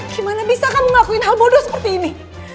gimana bisa kamu ngelakuin hal bodoh seperti ini